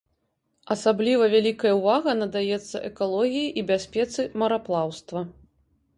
Асабліва вялікая ўвага надаецца экалогіі і бяспецы мараплаўства.